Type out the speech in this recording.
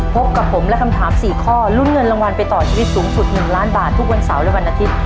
พบกับผมและคำถาม๔ข้อลุ้นเงินรางวัลไปต่อชีวิตสูงสุด๑ล้านบาททุกวันเสาร์และวันอาทิตย์